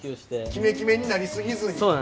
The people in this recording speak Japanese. キメキメになりすぎずに。